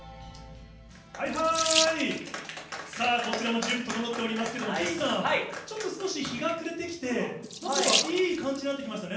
はいはーい、さあ、こちらも準備整っておりますけれども、岸さん、ちょっと少し日が暮れてきて、なんだかいい感じになってきましたね。